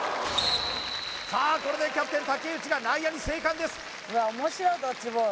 さあこれでキャプテン・竹内が内野に生還です